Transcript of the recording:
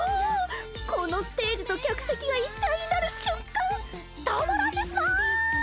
このステージと客席が一体になる瞬間たまらんですな！